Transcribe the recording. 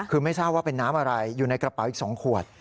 คือไม่ทราบว่าเป็นน้ำอะไรอยู่ในกระเป๋าอีก๒ขวด